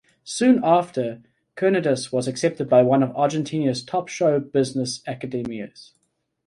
Soon after, Cernadas was accepted by one of Argentina's top show business academies.